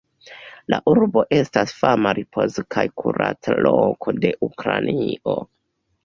La urbo estas fama ripoz- kaj kurac-loko de Ukrainio.